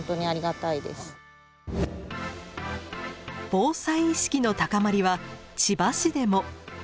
防災意識の高まりは千葉市でも。